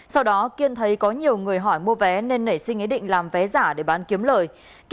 sau đó kiên thấy có nhiều người hỏi mua vé nên nảy sinh ý định làm vé giả để bán kiếm lời